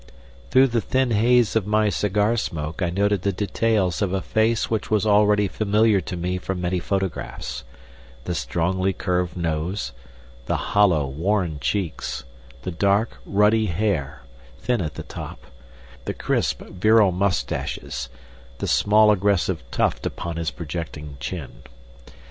Through the thin haze of my cigar smoke I noted the details of a face which was already familiar to me from many photographs the strongly curved nose, the hollow, worn cheeks, the dark, ruddy hair, thin at the top, the crisp, virile moustaches, the small, aggressive tuft upon his projecting chin.